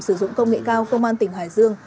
sử dụng công nghệ cao công an tỉnh hải dương